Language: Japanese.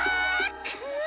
く！